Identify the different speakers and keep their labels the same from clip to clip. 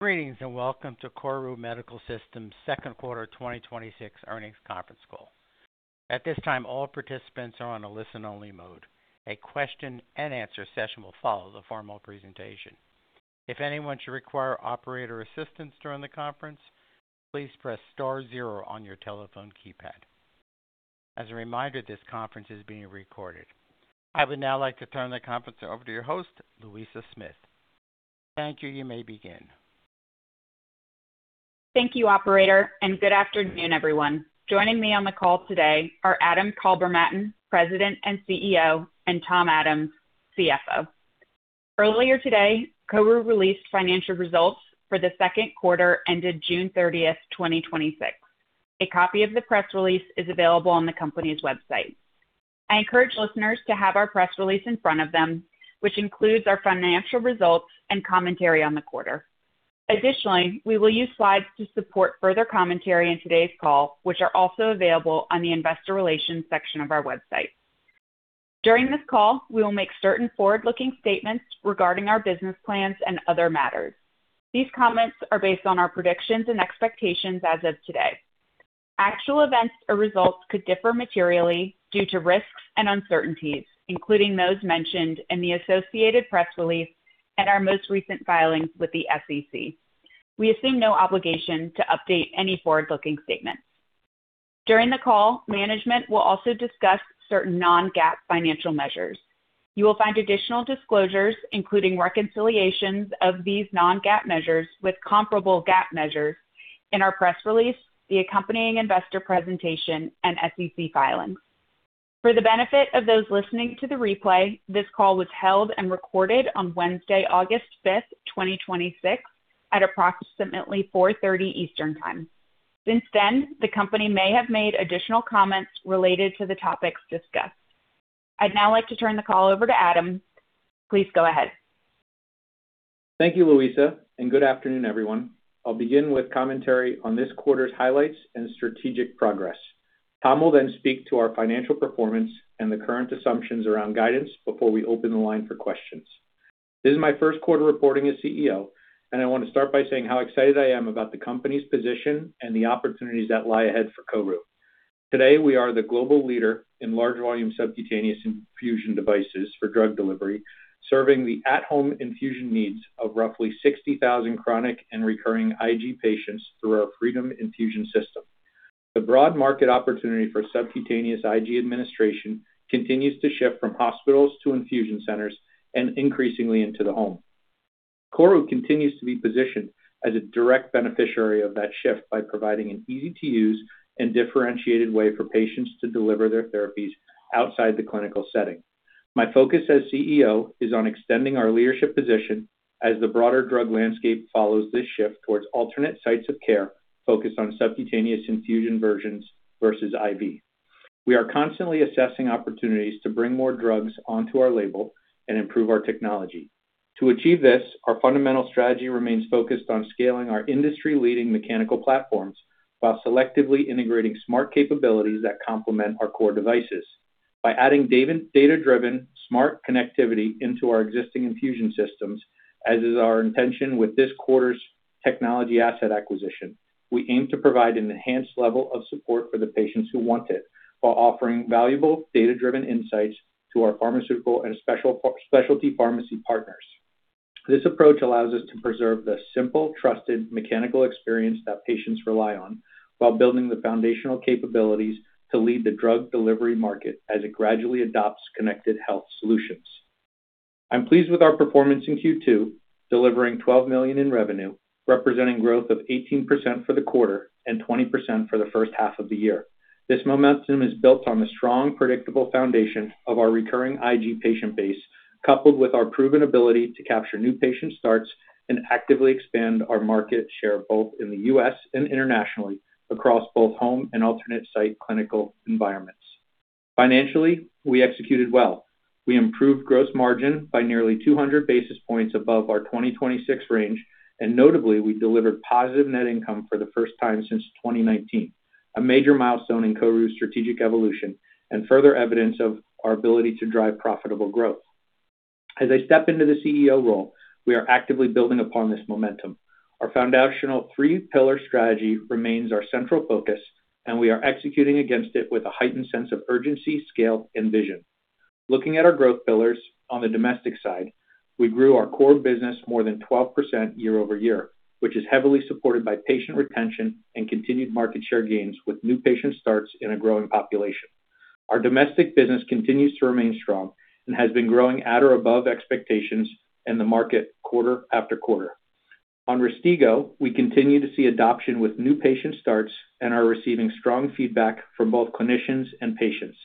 Speaker 1: Greetings, welcome to KORU Medical Systems' second quarter 2026 earnings conference call. At this time, all participants are on a listen-only mode. A question and answer session will follow the formal presentation. If anyone should require operator assistance during the conference, please press star zero on your telephone keypad. As a reminder, this conference is being recorded. I would now like to turn the conference over to your host, Louisa Smith. Thank you. You may begin.
Speaker 2: Thank you, operator, good afternoon, everyone. Joining me on the call today are Adam Kalbermatten, President and CEO, and Thomas Adams, CFO. Earlier today, KORU released financial results for the second quarter ended June 30th, 2026. A copy of the press release is available on the company's website. I encourage listeners to have our press release in front of them, which includes our financial results and commentary on the quarter. Additionally, we will use slides to support further commentary in today's call, which are also available on the investor relations section of our website. During this call, we will make certain forward-looking statements regarding our business plans and other matters. These comments are based on our predictions and expectations as of today. Actual events or results could differ materially due to risks and uncertainties, including those mentioned in the associated press release and our most recent filings with the SEC. We assume no obligation to update any forward-looking statements. During the call, management will also discuss certain non-GAAP financial measures. You will find additional disclosures, including reconciliations of these non-GAAP measures with comparable GAAP measures in our press release, the accompanying investor presentation, and SEC filings. For the benefit of those listening to the replay, this call was held and recorded on Wednesday, August 5th, 2026, at approximately 4:30 P.M. Eastern Time. Since then, the company may have made additional comments related to the topics discussed. I'd now like to turn the call over to Adam. Please go ahead.
Speaker 3: Thank you, Louisa, good afternoon, everyone. I'll begin with commentary on this quarter's highlights and strategic progress. Tom will then speak to our financial performance and the current assumptions around guidance before we open the line for questions. This is my first quarter reporting as CEO, I want to start by saying how excited I am about the company's position and the opportunities that lie ahead for KORU. Today, we are the global leader in large volume subcutaneous infusion devices for drug delivery, serving the at-home infusion needs of roughly 60,000 chronic and recurring IG patients through our Freedom Infusion System. The broad market opportunity for subcutaneous IG administration continues to shift from hospitals to infusion centers and increasingly into the home. KORU continues to be positioned as a direct beneficiary of that shift by providing an easy-to-use and differentiated way for patients to deliver their therapies outside the clinical setting. My focus as CEO is on extending our leadership position as the broader drug landscape follows this shift towards alternate sites of care focused on subcutaneous infusion versions versus IV. We are constantly assessing opportunities to bring more drugs onto our label and improve our technology. To achieve this, our fundamental strategy remains focused on scaling our industry-leading mechanical platforms while selectively integrating smart capabilities that complement our core devices. By adding data-driven smart connectivity into our existing infusion systems, as is our intention with this quarter's technology asset acquisition, we aim to provide an enhanced level of support for the patients who want it while offering valuable data-driven insights to our pharmaceutical and specialty pharmacy partners. This approach allows us to preserve the simple, trusted mechanical experience that patients rely on while building the foundational capabilities to lead the drug delivery market as it gradually adopts connected health solutions. I'm pleased with our performance in Q2, delivering $12 million in revenue, representing growth of 18% for the quarter and 20% for the first half of the year. This momentum is built on the strong, predictable foundation of our recurring IG patient base, coupled with our proven ability to capture new patient starts and actively expand our market share both in the U.S. and internationally across both home and alternate site clinical environments. Financially, we executed well. We improved gross margin by nearly 200 basis points above our 2026 range, and notably, we delivered positive net income for the first time since 2019. A major milestone in KORU's strategic evolution and further evidence of our ability to drive profitable growth. As I step into the CEO role, we are actively building upon this momentum. Our foundational three-pillar strategy remains our central focus, and we are executing against it with a heightened sense of urgency, scale, and vision. Looking at our growth pillars on the domestic side, we grew our core business more than 12% year-over-year, which is heavily supported by patient retention and continued market share gains with new patient starts in a growing population. Our domestic business continues to remain strong and has been growing at or above expectations in the market quarter after quarter. On RYSTIGGO, we continue to see adoption with new patient starts and are receiving strong feedback from both clinicians and patients.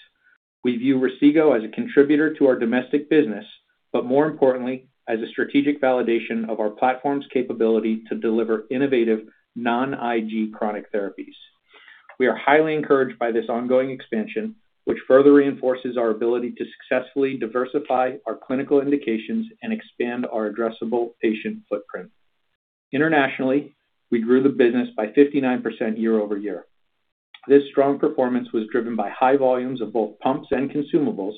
Speaker 3: We view RYSTIGGO as a contributor to our domestic business, but more importantly, as a strategic validation of our platform's capability to deliver innovative non-IG chronic therapies. We are highly encouraged by this ongoing expansion, which further reinforces our ability to successfully diversify our clinical indications and expand our addressable patient footprint. Internationally, we grew the business by 59% year-over-year. This strong performance was driven by high volumes of both pumps and consumables,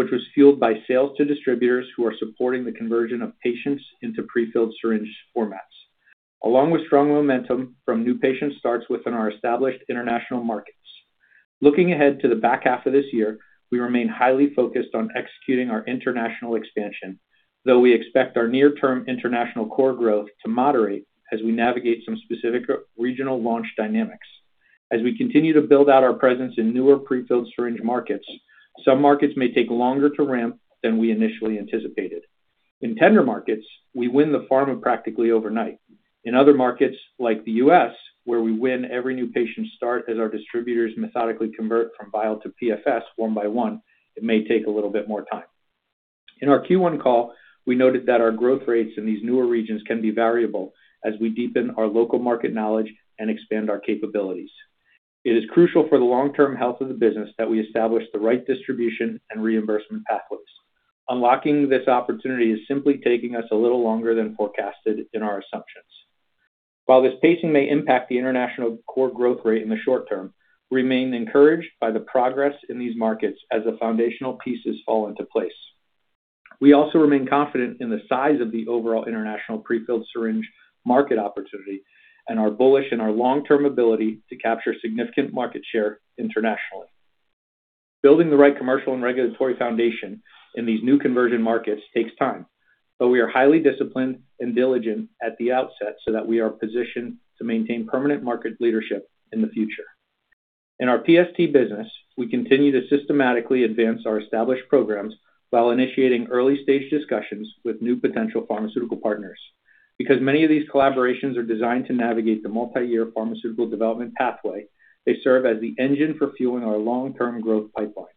Speaker 3: which was fueled by sales to distributors who are supporting the conversion of patients into pre-filled syringe formats. Along with strong momentum from new patient starts within our established international markets. Looking ahead to the back half of this year, we remain highly focused on executing our international expansion, though we expect our near-term international core growth to moderate as we navigate some specific regional launch dynamics. As we continue to build out our presence in newer pre-filled syringe markets, some markets may take longer to ramp than we initially anticipated. In tender markets, we win the pharma practically overnight. In other markets like the U.S., where we win every new patient start as our distributors methodically convert from vial to PFS one by one, it may take a little bit more time. In our Q1 call, we noted that our growth rates in these newer regions can be variable as we deepen our local market knowledge and expand our capabilities. It is crucial for the long-term health of the business that we establish the right distribution and reimbursement pathways. Unlocking this opportunity is simply taking us a little longer than forecasted in our assumptions. While this pacing may impact the international core growth rate in the short term, we remain encouraged by the progress in these markets as the foundational pieces fall into place. We also remain confident in the size of the overall international pre-filled syringe market opportunity and are bullish in our long-term ability to capture significant market share internationally. Building the right commercial and regulatory foundation in these new conversion markets takes time, but we are highly disciplined and diligent at the outset so that we are positioned to maintain permanent market leadership in the future. In our PST business, we continue to systematically advance our established programs while initiating early-stage discussions with new potential pharmaceutical partners. Because many of these collaborations are designed to navigate the multi-year pharmaceutical development pathway, they serve as the engine for fueling our long-term growth pipeline.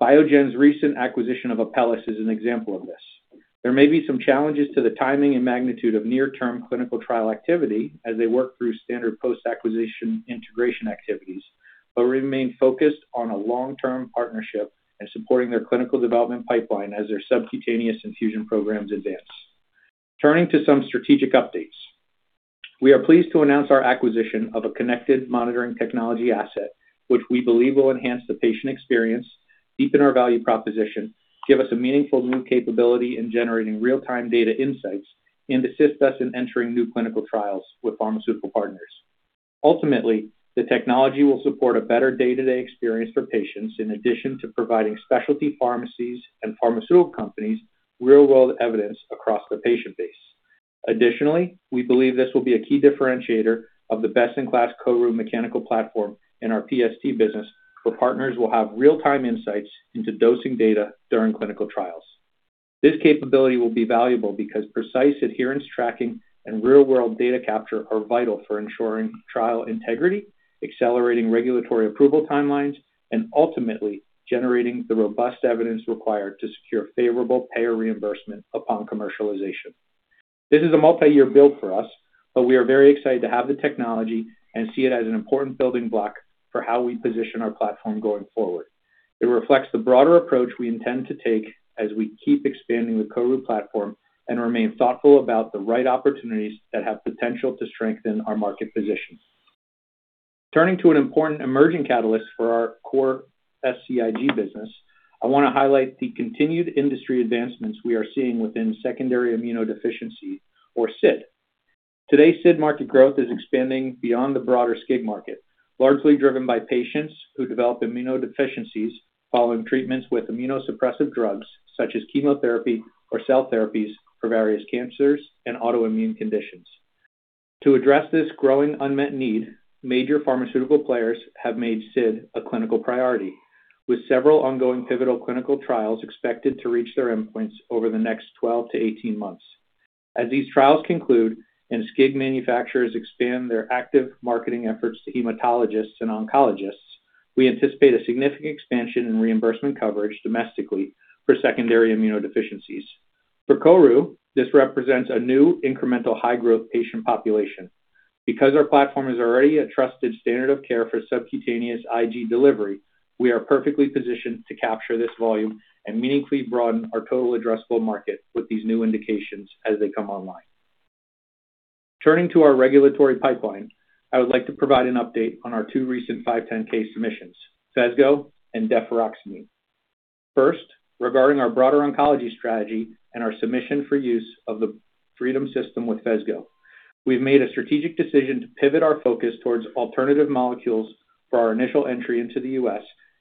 Speaker 3: Biogen's recent acquisition of Apellis is an example of this. There may be some challenges to the timing and magnitude of near-term clinical trial activity as they work through standard post-acquisition integration activities, but remain focused on a long-term partnership and supporting their clinical development pipeline as their subcutaneous infusion programs advance. Turning to some strategic updates. We are pleased to announce our acquisition of a connected monitoring technology asset, which we believe will enhance the patient experience, deepen our value proposition, give us a meaningful new capability in generating real-time data insights, and assist us in entering new clinical trials with pharmaceutical partners. Ultimately, the technology will support a better day-to-day experience for patients in addition to providing specialty pharmacies and pharmaceutical companies real-world evidence across the patient base. Additionally, we believe this will be a key differentiator of the best-in-class KORU mechanical platform in our PST business, where partners will have real-time insights into dosing data during clinical trials. This capability will be valuable because precise adherence tracking and real-world data capture are vital for ensuring trial integrity, accelerating regulatory approval timelines, and ultimately generating the robust evidence required to secure favorable payer reimbursement upon commercialization. This is a multi-year build for us, but we are very excited to have the technology and see it as an important building block for how we position our platform going forward. It reflects the broader approach we intend to take as we keep expanding the KORU platform and remain thoughtful about the right opportunities that have potential to strengthen our market position. Turning to an important emerging catalyst for our core SCIG business, I want to highlight the continued industry advancements we are seeing within secondary immunodeficiencies, or SID. Today, SID market growth is expanding beyond the broader SCIG market, largely driven by patients who develop immunodeficiencies following treatments with immunosuppressive drugs, such as chemotherapy or cell therapies for various cancers and autoimmune conditions. To address this growing unmet need, major pharmaceutical players have made SID a clinical priority, with several ongoing pivotal clinical trials expected to reach their endpoints over the next 12 to 18 months. As these trials conclude and SCIG manufacturers expand their active marketing efforts to hematologists and oncologists, we anticipate a significant expansion in reimbursement coverage domestically for secondary immunodeficiencies. For KORU, this represents a new incremental high-growth patient population. Because our platform is already a trusted standard of care for subcutaneous IG delivery, we are perfectly positioned to capture this volume and meaningfully broaden our total addressable market with these new indications as they come online. Turning to our regulatory pipeline, I would like to provide an update on our two recent 510 submissions, PHESGO and deferoxamine. First, regarding our broader oncology strategy and our submission for use of the Freedom system with PHESGO. We've made a strategic decision to pivot our focus towards alternative molecules for our initial entry into the U.S.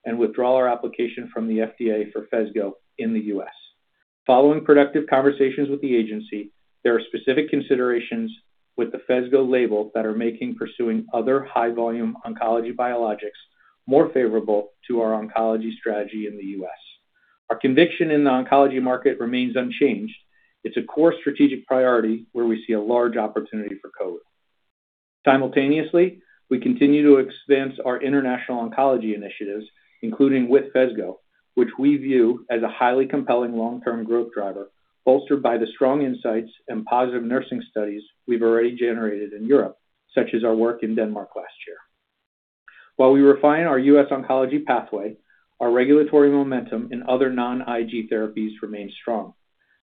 Speaker 3: and withdraw our application from the FDA for PHESGO in the U.S. Following productive conversations with the agency, there are specific considerations with the PHESGO label that are making pursuing other high-volume oncology biologics more favorable to our oncology strategy in the U.S. Our conviction in the oncology market remains unchanged. It's a core strategic priority where we see a large opportunity for KORU. Simultaneously, we continue to advance our international oncology initiatives, including with PHESGO, which we view as a highly compelling long-term growth driver, bolstered by the strong insights and positive nursing studies we've already generated in Europe, such as our work in Denmark last year. While we refine our U.S. oncology pathway, our regulatory momentum in other non-IG therapies remains strong.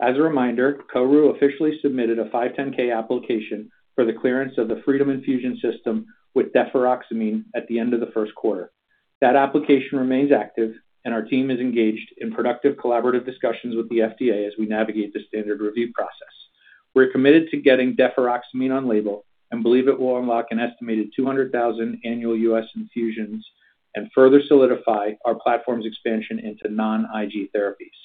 Speaker 3: As a reminder, KORU officially submitted a 510 application for the clearance of the Freedom Infusion System with deferoxamine at the end of the first quarter. That application remains active, and our team is engaged in productive collaborative discussions with the FDA as we navigate the standard review process. We're committed to getting deferoxamine on label and believe it will unlock an estimated 200,000 annual U.S. infusions and further solidify our platform's expansion into non-IG therapies.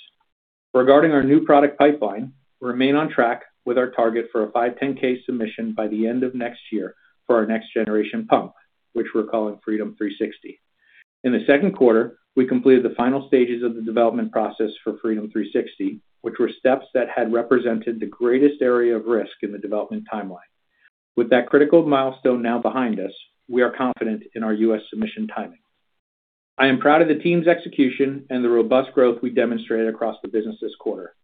Speaker 3: Regarding our new product pipeline, we remain on track with our target for a 510 submission by the end of next year for our next generation pump, which we're calling Freedom 360. In the second quarter, we completed the final stages of the development process for Freedom 360, which were steps that had represented the greatest area of risk in the development timeline. With that critical milestone now behind us, we are confident in our U.S. submission timing. I am proud of the team's execution and the robust growth we demonstrated across the business this quarter.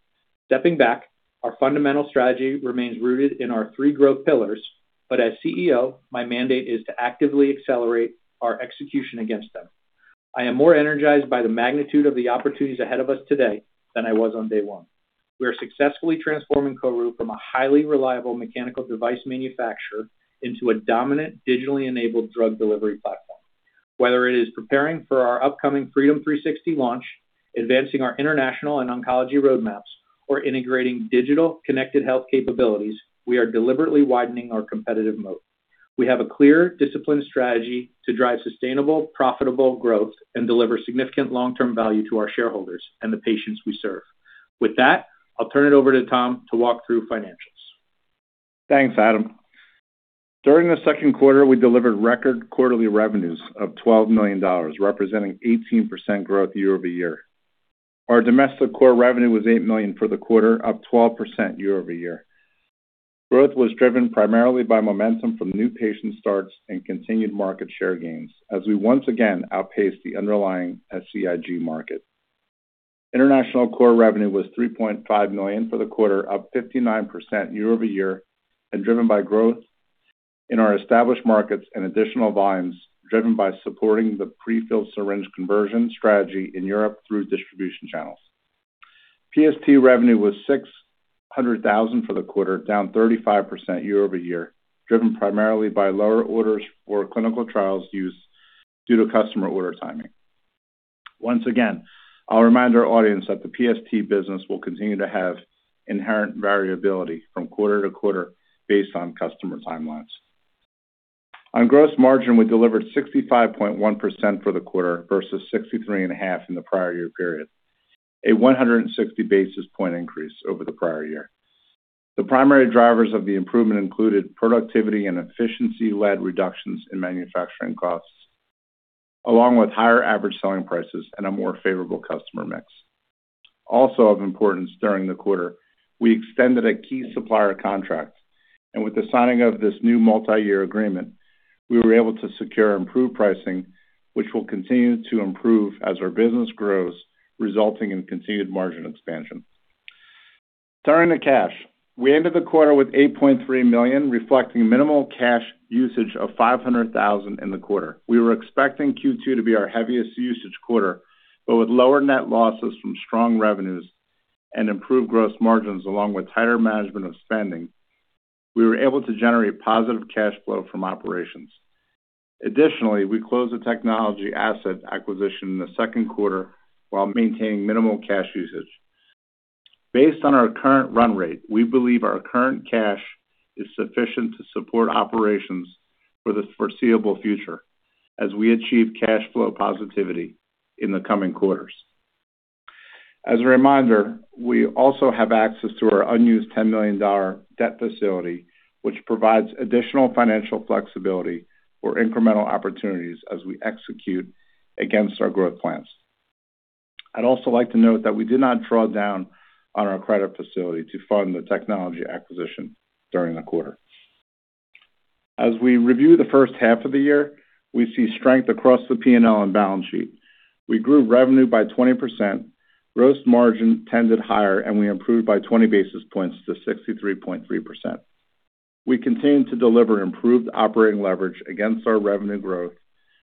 Speaker 3: Stepping back, our fundamental strategy remains rooted in our three growth pillars. As CEO, my mandate is to actively accelerate our execution against them. I am more energized by the magnitude of the opportunities ahead of us today than I was on day one. We are successfully transforming KORU from a highly reliable mechanical device manufacturer into a dominant digitally enabled drug delivery platform. Whether it is preparing for our upcoming Freedom 360 launch, advancing our international and oncology roadmaps, or integrating digital connected health capabilities, we are deliberately widening our competitive moat. We have a clear, disciplined strategy to drive sustainable, profitable growth and deliver significant long-term value to our shareholders and the patients we serve. With that, I'll turn it over to Tom to walk through financials.
Speaker 4: Thanks, Adam. During the second quarter, we delivered record quarterly revenues of $12 million, representing 18% growth year-over-year. Our domestic core revenue was $8 million for the quarter, up 12% year-over-year. Growth was driven primarily by momentum from new patient starts and continued market share gains as we once again outpaced the underlying SCIG market. International core revenue was $3.5 million for the quarter, up 59% year-over-year, and driven by growth in our established markets and additional volumes driven by supporting the prefilled syringe conversion strategy in Europe through distribution channels. PST revenue was $600,000 for the quarter, down 35% year-over-year, driven primarily by lower orders for clinical trials use due to customer order timing. Once again, I'll remind our audience that the PST business will continue to have inherent variability from quarter to quarter based on customer timelines. On gross margin, we delivered 65.1% for the quarter versus 63.5% in the prior year period, a 160 basis point increase over the prior year. The primary drivers of the improvement included productivity and efficiency-led reductions in manufacturing costs, along with higher average selling prices and a more favorable customer mix. Also of importance during the quarter, we extended a key supplier contract, and with the signing of this new multi-year agreement, we were able to secure improved pricing, which will continue to improve as our business grows, resulting in continued margin expansion. Turning to cash. We ended the quarter with $8.3 million, reflecting minimal cash usage of $500,000 in the quarter. We were expecting Q2 to be our heaviest usage quarter. With lower net losses from strong revenues and improved gross margins, along with tighter management of spending, we were able to generate positive cash flow from operations. Additionally, we closed the technology asset acquisition in the second quarter while maintaining minimal cash usage. Based on our current run rate, we believe our current cash is sufficient to support operations for the foreseeable future as we achieve cash flow positivity in the coming quarters. As a reminder, we also have access to our unused $10 million debt facility, which provides additional financial flexibility for incremental opportunities as we execute against our growth plans. I'd also like to note that we did not draw down on our credit facility to fund the technology acquisition during the quarter. As we review the first half of the year, we see strength across the P&L and balance sheet. We grew revenue by 20%, gross margin tended higher, and we improved by 20 basis points to 63.3%. We continued to deliver improved operating leverage against our revenue growth,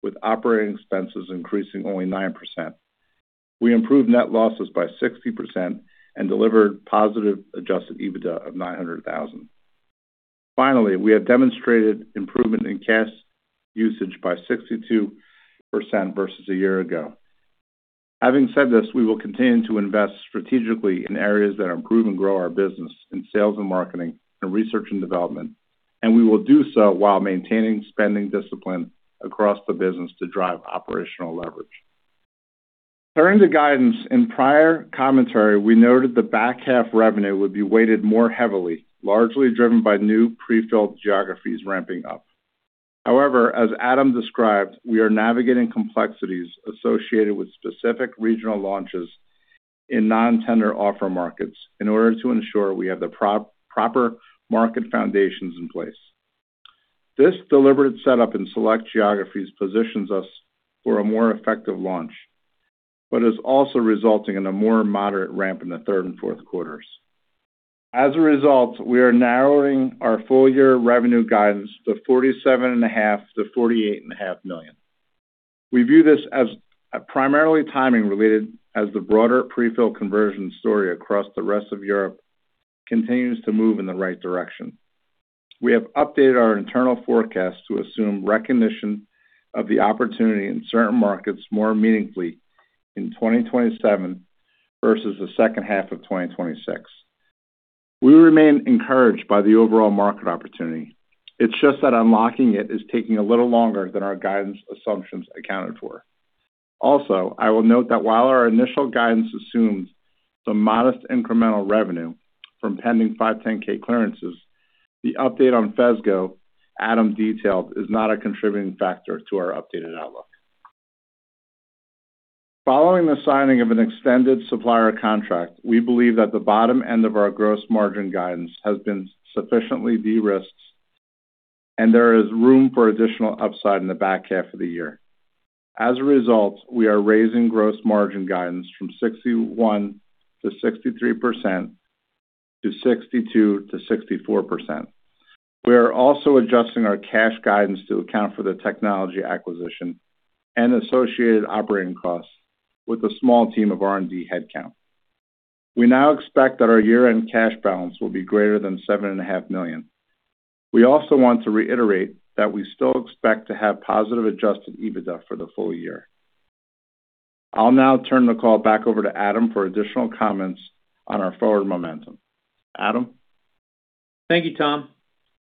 Speaker 4: with operating expenses increasing only 9%. We improved net losses by 60% and delivered positive adjusted EBITDA of $900,000. Finally, we have demonstrated improvement in cash usage by 62% versus a year ago. Having said this, we will continue to invest strategically in areas that improve and grow our business in sales and marketing and research and development, and we will do so while maintaining spending discipline across the business to drive operational leverage. Turning to guidance, in prior commentary, we noted the back half revenue would be weighted more heavily, largely driven by new prefilled geographies ramping up. However, as Adam described, we are navigating complexities associated with specific regional launches in non-tender offer markets in order to ensure we have the proper market foundations in place. This deliberate setup in select geographies positions us for a more effective launch, but is also resulting in a more moderate ramp in the third and fourth quarters. As a result, we are narrowing our full year revenue guidance to $47.5 million-$48.5 million. We view this as primarily timing related as the broader pre-fill conversion story across the rest of Europe continues to move in the right direction. We have updated our internal forecast to assume recognition of the opportunity in certain markets more meaningfully in 2027 versus the second half of 2026. We remain encouraged by the overall market opportunity. It's just that unlocking it is taking a little longer than our guidance assumptions accounted for. I will note that while our initial guidance assumes some modest incremental revenue from pending 510(k) clearances, the update on PHESGO Adam detailed is not a contributing factor to our updated outlook. Following the signing of an extended supplier contract, we believe that the bottom end of our gross margin guidance has been sufficiently de-risked, and there is room for additional upside in the back half of the year. As a result, we are raising gross margin guidance from 61%-63% to 62%-64%. We are also adjusting our cash guidance to account for the technology acquisition and associated operating costs with a small team of R&D headcount. We now expect that our year-end cash balance will be greater than seven and a half million. We also want to reiterate that we still expect to have positive adjusted EBITDA for the full year. I'll now turn the call back over to Adam for additional comments on our forward momentum. Adam?
Speaker 3: Thank you, Tom.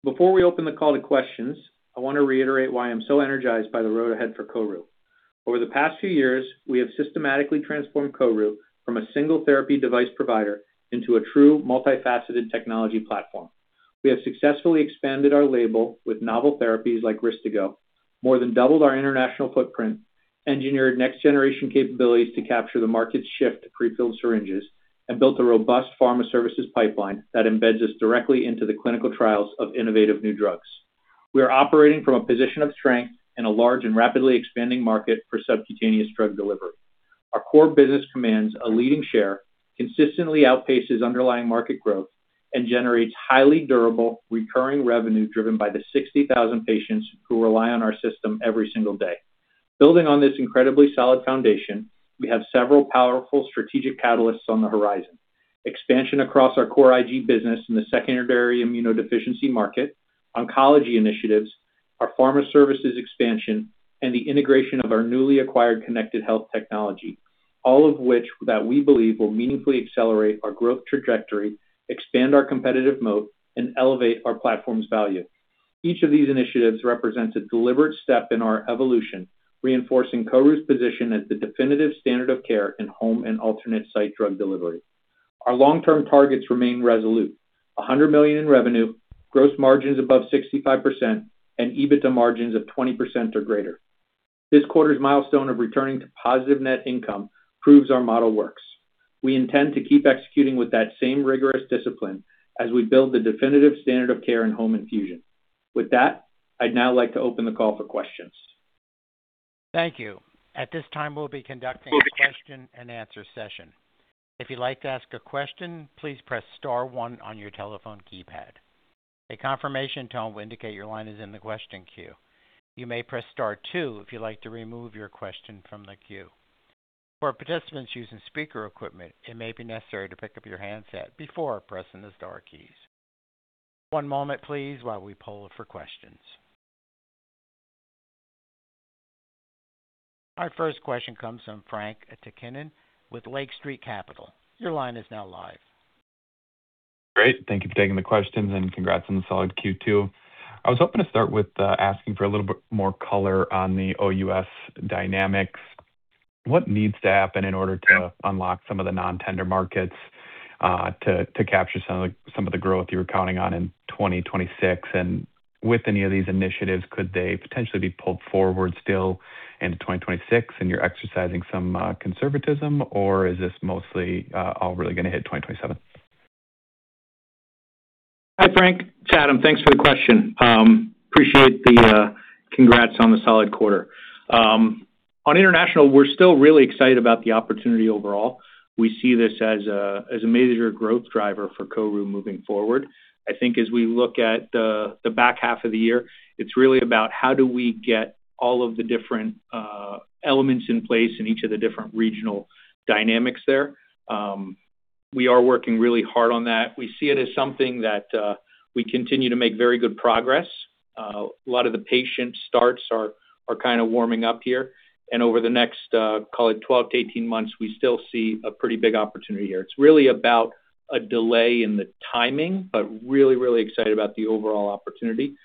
Speaker 3: Before we open the call to questions, I want to reiterate why I'm so energized by the road ahead for KORU. Over the past few years, we have systematically transformed KORU from a single therapy device provider into a true multifaceted technology platform. We have successfully expanded our label with novel therapies like RYSTIGGO, more than doubled our international footprint, engineered next generation capabilities to capture the market's shift to pre-filled syringes, and built a robust Pharma services pipeline that embeds us directly into the clinical trials of innovative new drugs. We are operating from a position of strength in a large and rapidly expanding market for subcutaneous drug delivery. Our core business commands a leading share, consistently outpaces underlying market growth, and generates highly durable recurring revenue driven by the 60,000 patients who rely on our system every single day. Building on this incredibly solid foundation, we have several powerful strategic catalysts on the horizon. Expansion across our core IG business in the secondary immunodeficiency market, oncology initiatives, our Pharma services expansion, and the integration of our newly acquired connected health technology. All of which that we believe will meaningfully accelerate our growth trajectory, expand our competitive moat, and elevate our platform's value. Each of these initiatives represents a deliberate step in our evolution, reinforcing KORU's position as the definitive standard of care in home and alternate site drug delivery. Our long-term targets remain resolute. $100 million in revenue, gross margins above 65%, and EBITDA margins of 20% or greater. This quarter's milestone of returning to positive net income proves our model works. We intend to keep executing with that same rigorous discipline as we build the definitive standard of care in home infusion. I'd now like to open the call for questions.
Speaker 1: Thank you. At this time, we'll be conducting a question and answer session. If you'd like to ask a question, please press star one on your telephone keypad. A confirmation tone will indicate your line is in the question queue. You may press star two if you'd like to remove your question from the queue. For participants using speaker equipment, it may be necessary to pick up your handset before pressing the star keys. One moment please while we poll for questions. Our first question comes from Frank Takkinen with Lake Street Capital. Your line is now live.
Speaker 5: Great. Thank you for taking the questions and congrats on the solid Q2. I was hoping to start with asking for a little bit more color on the OUS dynamics. What needs to happen in order to unlock some of the non-tender markets to capture some of the growth you were counting on in 2026? With any of these initiatives, could they potentially be pulled forward still into 2026 and you're exercising some conservatism, or is this mostly all really going to hit 2027?
Speaker 3: Hi, Frank. It's Adam. Thanks for the question. Appreciate the congrats on the solid quarter. On international, we're still really excited about the opportunity overall. We see this as a major growth driver for KORU moving forward. I think as we look at the back half of the year, it's really about how do we get all of the different elements in place in each of the different regional dynamics there. We are working really hard on that. We see it as something that we continue to make very good progress. A lot of the patient starts are kind of warming up here. Over the next, call it 12 to 18 months, we still see a pretty big opportunity here. It's really about a delay in the timing, but really excited about the overall opportunity.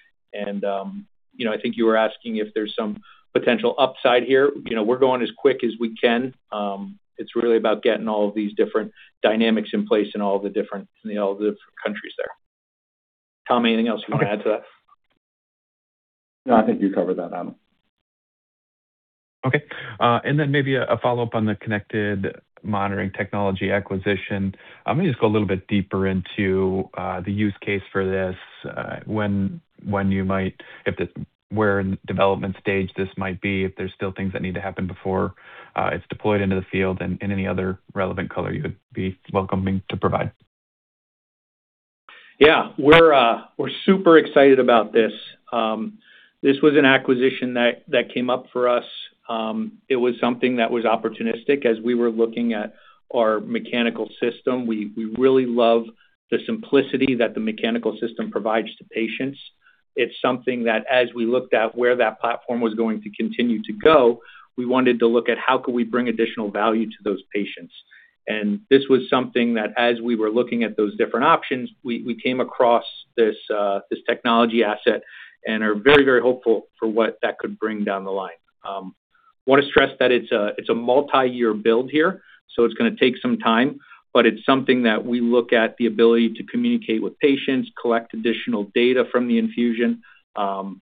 Speaker 3: I think you were asking if there's some potential upside here. We're going as quick as we can. It's really about getting all of these different dynamics in place in all the different countries there. Tom, anything else you want to add to that?
Speaker 4: No, I think you covered that, Adam.
Speaker 5: Okay. Then maybe a follow-up on the connected monitoring technology acquisition. I'm going to just go a little bit deeper into the use case for this. Where in the development stage this might be, if there's still things that need to happen before it's deployed into the field and any other relevant color you would be welcoming to provide.
Speaker 3: Yeah, we're super excited about this. This was an acquisition that came up for us. It was something that was opportunistic as we were looking at our mechanical system. We really love the simplicity that the mechanical system provides to patients. It's something that as we looked at where that platform was going to continue to go, we wanted to look at how could we bring additional value to those patients. This was something that as we were looking at those different options, we came across this technology asset and are very hopeful for what that could bring down the line. Want to stress that it's a multi-year build here, it's going to take some time, it's something that we look at the ability to communicate with patients, collect additional data from the infusion.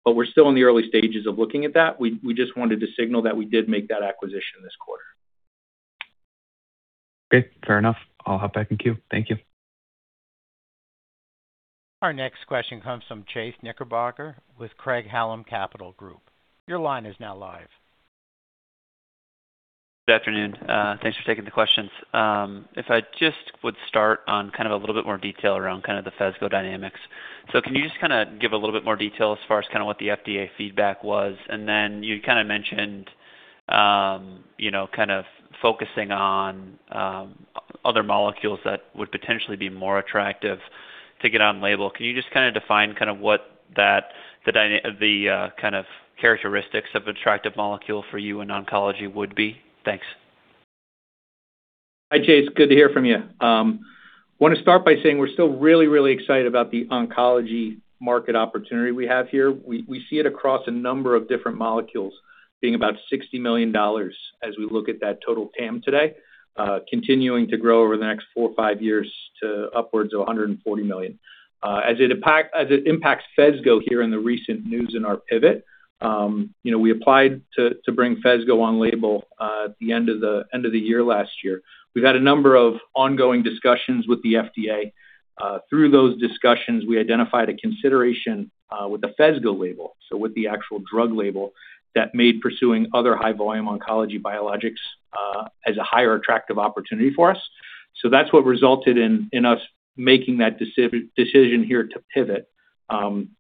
Speaker 3: We're still in the early stages of looking at that. We just wanted to signal that we did make that acquisition this quarter.
Speaker 5: Okay, fair enough. I'll hop back in queue. Thank you.
Speaker 1: Our next question comes from Chase Knickerbocker with Craig-Hallum Capital Group. Your line is now live.
Speaker 6: Good afternoon. Thanks for taking the questions. If I just would start on a little bit more detail around the PHESGO dynamics. Can you just give a little bit more detail as far as what the FDA feedback was? Then you mentioned focusing on other molecules that would potentially be more attractive to get on label. Can you just define what the characteristics of attractive molecule for you in oncology would be? Thanks.
Speaker 3: Hi, Chase. Good to hear from you. Want to start by saying we're still really excited about the oncology market opportunity we have here. We see it across a number of different molecules being about $60 million as we look at that total TAM today continuing to grow over the next four or five years to upwards of $140 million. As it impacts PHESGO here in the recent news in our pivot, we applied to bring PHESGO on label at the end of the year last year. We've had a number of ongoing discussions with the FDA. Through those discussions, we identified a consideration with the PHESGO label, so with the actual drug label, that made pursuing other high-volume oncology biologics as a higher attractive opportunity for us. That's what resulted in us making that decision here to pivot.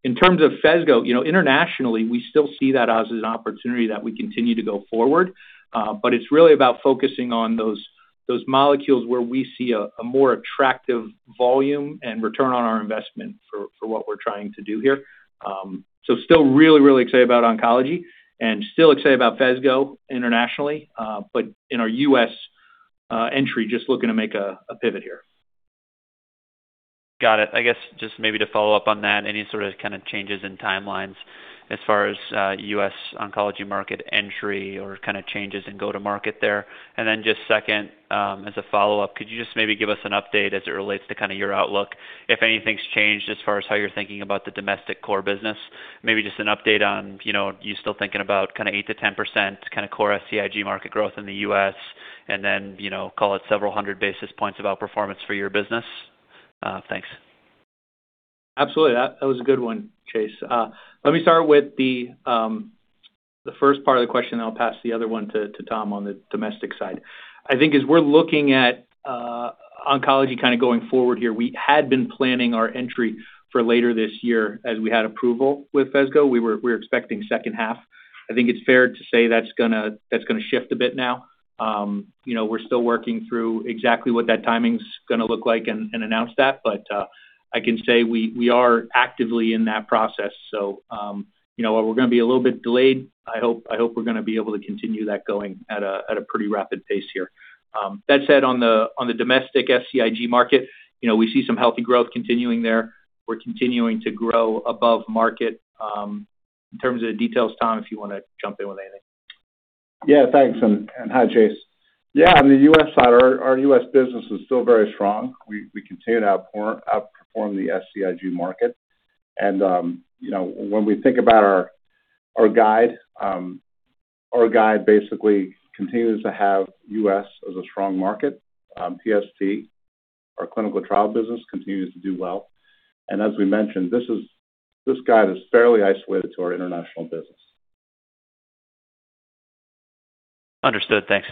Speaker 3: In terms of PHESGO, internationally, we still see that as an opportunity that we continue to go forward. It's really about focusing on those molecules where we see a more attractive volume and return on our investment for what we're trying to do here. Still really excited about oncology and still excited about PHESGO internationally. In our U.S. entry, just looking to make a pivot here.
Speaker 6: Got it. I guess just maybe to follow up on that, any sort of changes in timelines as far as U.S. oncology market entry or changes in go to market there? Just second, as a follow-up, could you just maybe give us an update as it relates to your outlook, if anything's changed as far as how you're thinking about the domestic core business? Maybe just an update on, you still thinking about 8% to 10% core SCIG market growth in the U.S. and then call it several hundred basis points of outperformance for your business? Thanks.
Speaker 3: Absolutely. That was a good one, Chase. Let me start with the first part of the question, then I'll pass the other one to Tom on the domestic side. I think as we're looking at oncology going forward here, we had been planning our entry for later this year as we had approval with PHESGO. We're expecting second half. I think it's fair to say that's going to shift a bit now. We're still working through exactly what that timing's going to look like and announce that, but I can say we are actively in that process. While we're going to be a little bit delayed, I hope we're going to be able to continue that going at a pretty rapid pace here. That said, on the domestic SCIG market, we see some healthy growth continuing there. We're continuing to grow above market. In terms of the details, Tom, if you want to jump in with anything.
Speaker 4: Thanks, and hi, Chase. On the U.S. side, our U.S. business is still very strong. We continue to outperform the SCIG market. When we think about our guide, our guide basically continues to have U.S. as a strong market. PST, our clinical trial business, continues to do well. As we mentioned, this guide is fairly isolated to our international business.
Speaker 6: Understood. Thanks.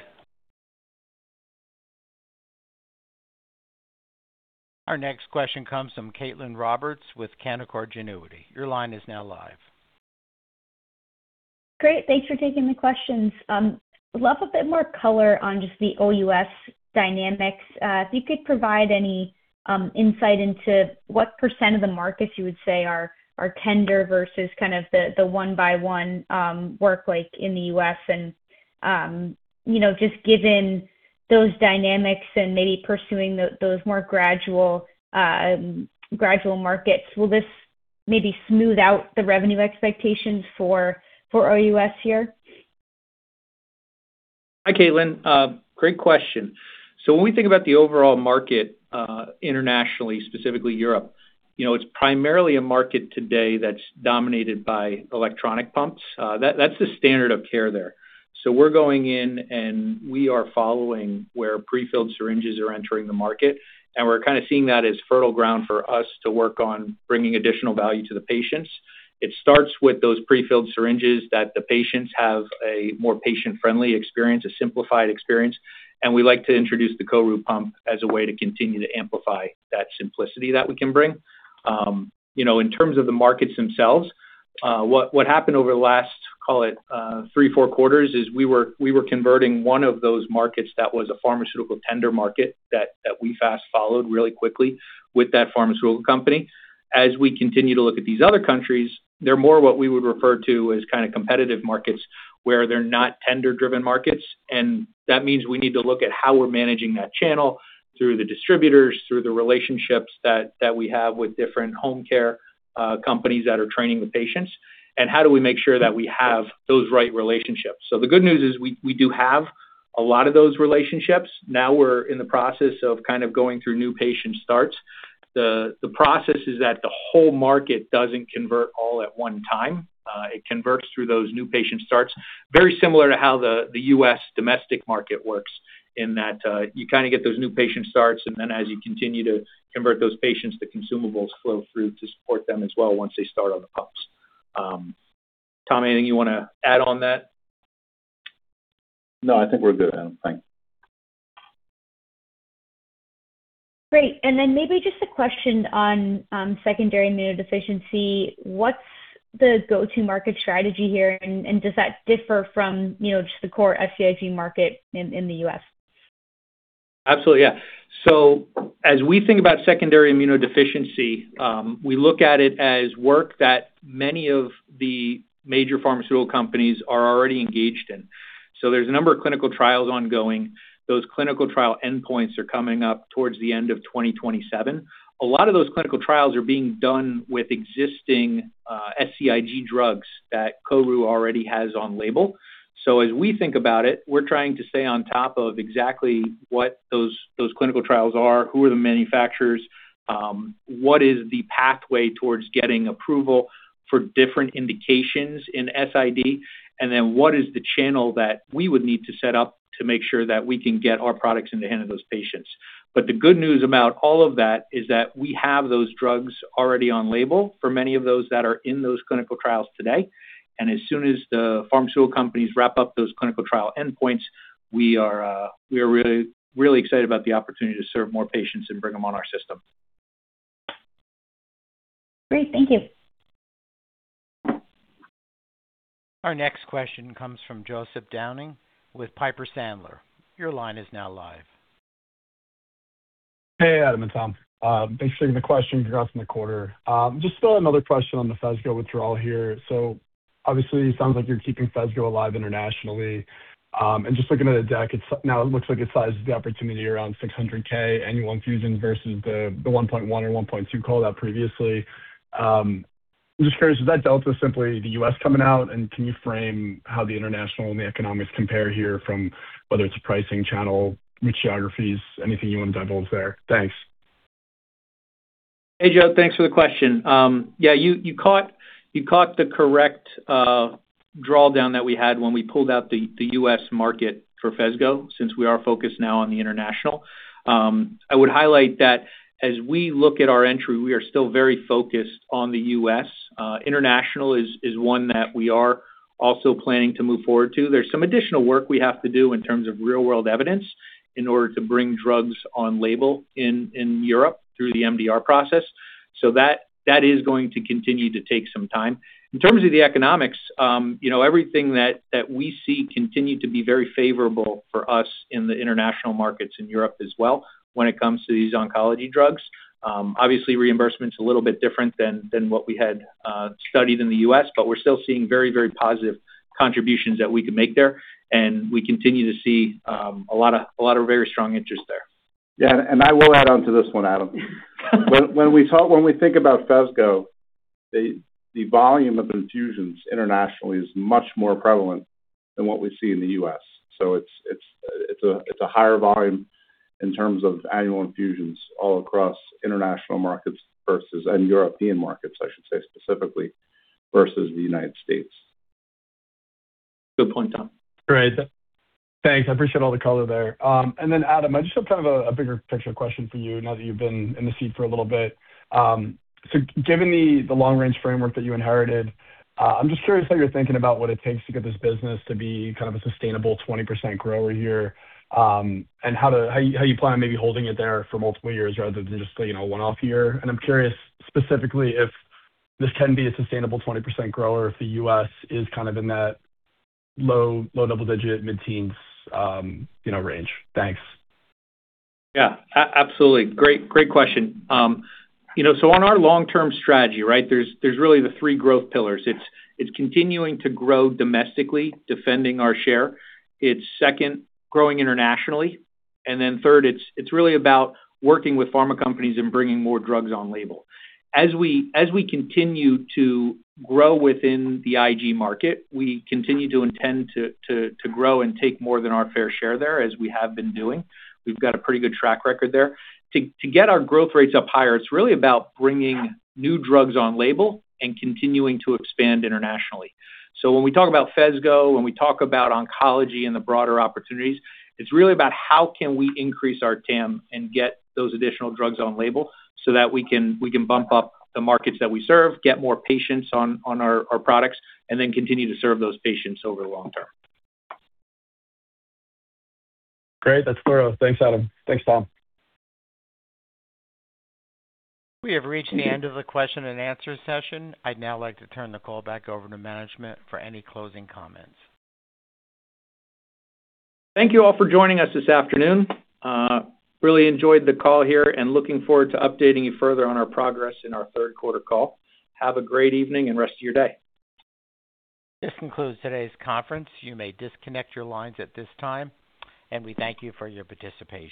Speaker 1: Our next question comes from Caitlin Roberts with Canaccord Genuity. Your line is now live.
Speaker 7: Great. Thanks for taking the questions. Would love a bit more color on just the OUS dynamics. If you could provide any insight into what % of the markets you would say are tender versus the one by one work like in the U.S. and just given those dynamics and maybe pursuing those more gradual markets, will this maybe smooth out the revenue expectations for OUS here?
Speaker 3: Hi, Caitlin. Great question. When we think about the overall market internationally, specifically Europe, it's primarily a market today that's dominated by electronic pumps. That's the standard of care there. We're going in, and we are following where prefilled syringes are entering the market, and we're seeing that as fertile ground for us to work on bringing additional value to the patients. It starts with those prefilled syringes that the patients have a more patient-friendly experience, a simplified experience. We like to introduce the KORU pump as a way to continue to amplify that simplicity that we can bring. In terms of the markets themselves, what happened over the last, call it, three, four quarters, is we were converting one of those markets that was a pharmaceutical tender market that we fast-followed really quickly with that pharmaceutical company. As we continue to look at these other countries, they're more what we would refer to as competitive markets, where they're not tender-driven markets. That means we need to look at how we're managing that channel through the distributors, through the relationships that we have with different home care companies that are training the patients, and how do we make sure that we have those right relationships. The good news is we do have a lot of those relationships. Now we're in the process of going through new patient starts. The process is that the whole market doesn't convert all at one time. It converts through those new patient starts, very similar to how the U.S. domestic market works in that you get those new patient starts, and then as you continue to convert those patients, the consumables flow through to support them as well once they start on the pumps. Tom, anything you want to add on that?
Speaker 4: No, I think we're good, Adam. Thanks.
Speaker 7: Great. Then maybe just a question on secondary immunodeficiency. What's the go-to market strategy here, and does that differ from just the core SCIG market in the U.S.?
Speaker 3: Absolutely, yeah. As we think about secondary immunodeficiency, we look at it as work that many of the major pharmaceutical companies are already engaged in. There's a number of clinical trials ongoing. Those clinical trial endpoints are coming up towards the end of 2027. A lot of those clinical trials are being done with existing SCIG drugs that KORU already has on label. As we think about it, we're trying to stay on top of exactly what those clinical trials are, who are the manufacturers, what is the pathway towards getting approval for different indications in SID, and then what is the channel that we would need to set up to make sure that we can get our products in the hand of those patients. The good news about all of that is that we have those drugs already on label for many of those that are in those clinical trials today. As soon as the pharmaceutical companies wrap up those clinical trial endpoints, we are really excited about the opportunity to serve more patients and bring them on our system.
Speaker 7: Great. Thank you.
Speaker 1: Our next question comes from Joseph Downing with Piper Sandler. Your line is now live.
Speaker 8: Hey, Adam and Tom. Thanks for taking the question. Congrats on the quarter. Just still another question on the PHESGO withdrawal here. Obviously, it sounds like you're keeping PHESGO alive internationally. Looking at the deck, now it looks like it sizes the opportunity around 600,000 annual infusions versus the 1.1 or 1.2 call-out previously. I'm just curious, is that delta simply the U.S. coming out? Can you frame how the international and the economics compare here from whether it's pricing, channel, geographies, anything you want to divulge there? Thanks.
Speaker 3: Hey, Joe. Thanks for the question. You caught the correct drawdown that we had when we pulled out the U.S. market for PHESGO, since we are focused now on the international. I would highlight that as we look at our entry, we are still very focused on the U.S. International is one that we are also planning to move forward to. There's some additional work we have to do in terms of real-world evidence in order to bring drugs on label in Europe through the MDR process. That is going to continue to take some time. In terms of the economics, everything that we see continue to be very favorable for us in the international markets in Europe as well when it comes to these oncology drugs. Obviously, reimbursement's a little bit different than what we had studied in the U.S., we're still seeing very positive contributions that we can make there, and we continue to see a lot of very strong interest there.
Speaker 4: I will add on to this one, Adam. When we think about PHESGO, the volume of infusions internationally is much more prevalent than what we see in the U.S. It's a higher volume in terms of annual infusions all across international markets and European markets, I should say, specifically, versus the United States.
Speaker 3: Good point, Tom.
Speaker 8: Adam, I just have a bigger picture question for you now that you've been in the seat for a little bit. Given the long-range framework that you inherited, I'm just curious how you're thinking about what it takes to get this business to be a sustainable 20% grower here, and how you plan on maybe holding it there for multiple years rather than just a one-off year. And I'm curious specifically if this can be a sustainable 20% grower if the U.S. is in that low double digit, mid-teens range. Thanks.
Speaker 3: Yeah, absolutely. Great question. On our long-term strategy, there's really the three growth pillars. It's continuing to grow domestically, defending our share. It's second, growing internationally. And then third, it's really about working with Pharma services and clinical trials companies and bringing more drugs on label. As we continue to grow within the IG market, we continue to intend to grow and take more than our fair share there as we have been doing. We've got a pretty good track record there. To get our growth rates up higher, it's really about bringing new drugs on label and continuing to expand internationally. When we talk about PHESGO, when we talk about oncology and the broader opportunities, it's really about how can we increase our TAM and get those additional drugs on label so that we can bump up the markets that we serve, get more patients on our products, and then continue to serve those patients over the long term.
Speaker 8: Great. That's thorough. Thanks, Adam. Thanks, Tom.
Speaker 1: We have reached the end of the question and answer session. I'd now like to turn the call back over to management for any closing comments.
Speaker 3: Thank you all for joining us this afternoon. Really enjoyed the call here and looking forward to updating you further on our third quarter call. Have a great evening and rest of your day.
Speaker 1: This concludes today's conference. You may disconnect your lines at this time, and we thank you for your participation.